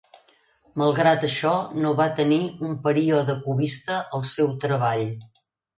Malgrat això, no va tenir un període cubista al seu treball.